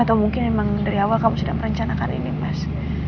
atau mungkin memang dari awal kamu sudah merencanakan ini mas